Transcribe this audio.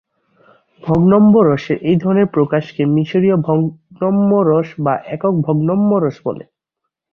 ভগ্নম্বরশের এই ধরনের প্রকাশকে মিশরীয় ভগ্নম্বরশ বা একক ভগ্নম্বরশ বলে।